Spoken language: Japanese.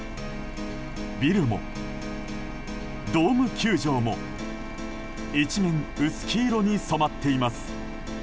ビルもドーム球場も一面、薄黄色に染まっています。